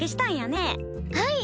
はい。